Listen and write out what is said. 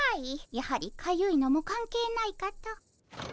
やはりかゆいのも関係ないかと。